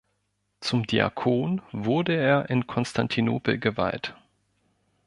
Zum Diakon wurde er in Konstantinopel geweiht.